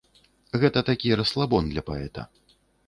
Гэта такі расслабон для паэта.